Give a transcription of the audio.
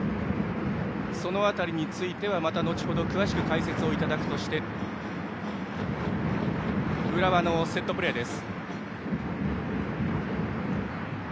その辺りについてはまた後ほど詳しく解説いただくとして浦和のセットプレーです。